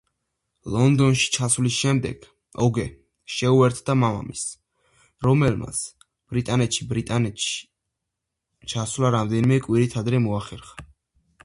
ლონდონში ჩასვლის შემდეგ ოგე შეუერთდა მამამისს, რომელმაც ბრიტანეთში ბრიტანეთში ჩასვლა რამდენიმე კვირით ადრე მოახერხა.